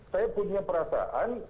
saya punya perasaan